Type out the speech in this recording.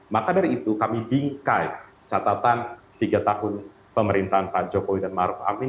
maka dari itu kami bingkai catatan tiga tahun pemerintahan pak jokowi dan maruf amin